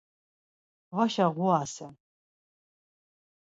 Vaşa ğurasen.